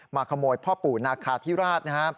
มาขโมยพ่อปู่นาคาทิราช